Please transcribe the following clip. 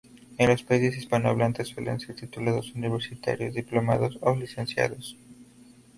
En los países hispanohablantes suelen ser titulados universitarios, Diplomados o Licenciados.